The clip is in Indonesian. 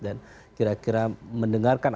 dan kira kira mendengarkan